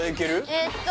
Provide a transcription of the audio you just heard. えっと